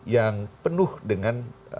yang penuh dengan